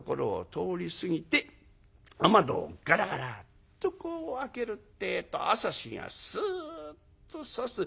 通り過ぎて雨戸をガラガラッとこう開けるってえと朝日がスッとさす。